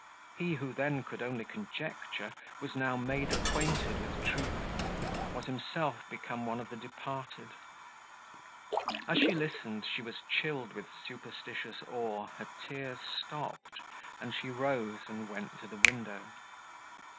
He, who then could only conjecture, was now made acquainted with truth; was himself become one of the departed! As she listened, she was chilled with superstitious awe, her tears stopped; and she rose, and went to the window.